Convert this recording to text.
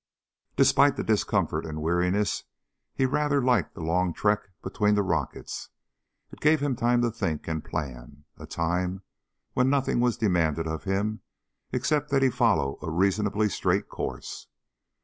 Despite the discomfort and weariness he rather liked the long trek between the rockets. It gave him time to think and plan, a time when nothing was demanded of him except that he follow a reasonably straight course.